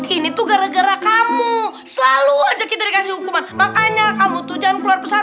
ini tuh gara gara kamu selalu aja kita dikasih hukuman makanya kamu tuh jangan keluar pesan